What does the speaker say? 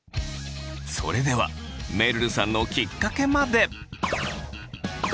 それではめるるさんのきっかけまで。